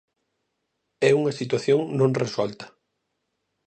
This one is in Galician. É unha situación non resolta.